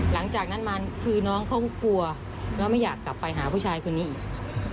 หลังจากนั้นมาคือน้องเขาก็กลัวแล้วไม่อยากกลับไปหาผู้ชายคนนี้อีก